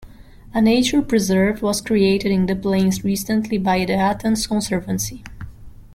A nature preserve was created in The Plains recently by the Athens Conservancy.